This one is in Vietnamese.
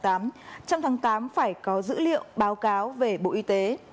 trong tháng tám phải có dữ liệu báo cáo về bộ y tế